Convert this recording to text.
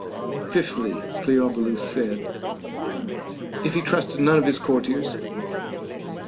Fifthly, Cleobulus said, If he trust none of his courtiers.